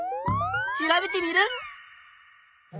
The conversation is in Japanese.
調べテミルン！